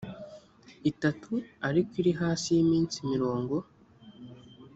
itatu ariko iri hasi y’iminsi mirongo